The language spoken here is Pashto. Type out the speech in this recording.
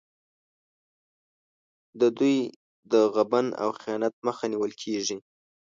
د دوی د غبن او خیانت مخه نیول کېږي.